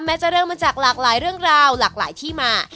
จะเริ่มมาจากหลากหลายเรื่องราวหลากหลายที่มา